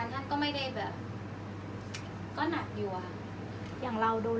อันไหนที่มันไม่จริงแล้วอาจารย์อยากพูด